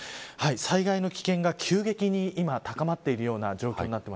災害の危険が急激に高まっている状況です。